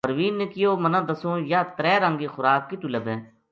پروین نے کہیو منا دسوں یاہ ترے رنگ کی خوراک کِتو لبھے